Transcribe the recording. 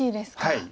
はい。